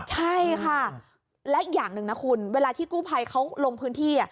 ใช่ค่ะและอย่างหนึ่งนะคุณเวลาที่กู้ภัยเขาลงพื้นที่